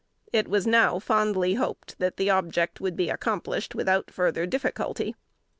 It was now fondly hoped, that that object would be accomplished without further difficulty.